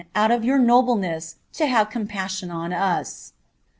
out of your nobleness, to have compaasion on us.'